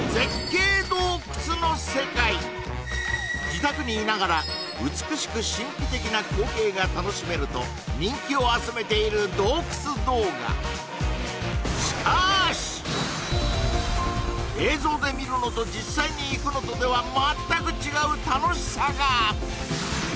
自宅にいながら美しく神秘的な光景が楽しめると人気を集めている映像で見るのと実際に行くのとでは全く違う楽しさが！